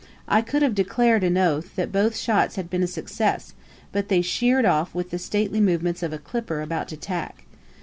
I could have declared on oath that both shots had been a success, but they sheered off with the stately movements of a clipper about to tack.